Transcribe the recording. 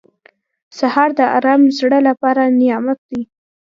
سهار د ارام زړه لپاره نعمت دی.